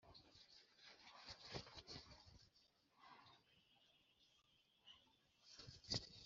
se badufasha bate muri iki gihe Reba Ibisobanuro bya